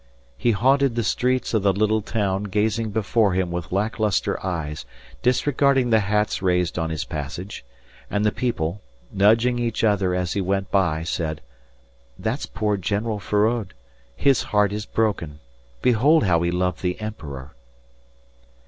He haunted the streets of the little town gazing before him with lack lustre eyes, disregarding the hats raised on his passage; and the people, nudging each other as he went by, said: "That's poor General Feraud. His heart is broken. Behold how he loved the emperor!"